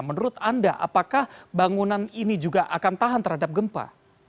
menurut anda apakah bangunan ini juga akan tahan terhadap gempa